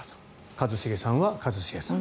一茂さんは一茂さん。